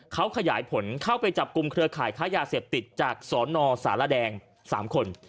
เขาขยายผลเข้าไปจับกลุ่มเครือข่ายค้ายาเสพติดจากสนสารแดง๓คน